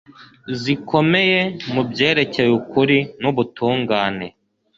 zikomeye mu byerekeye ukuri nubutungane